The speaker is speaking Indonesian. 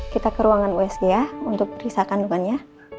kita ke ruangan wsg ya untuk periksa kandungannya